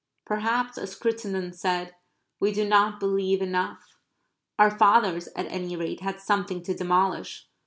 Perhaps, as Cruttendon said, we do not believe enough. Our fathers at any rate had something to demolish.